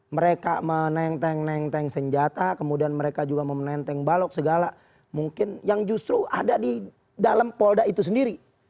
mereka menenteng nengteng senjata kemudian mereka juga memenenteng balok segala mungkin yang justru ada di dalam polda itu sendiri